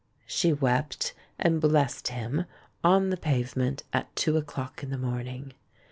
She wept, and blessed him, on the pavement, at two o'clock in the morning.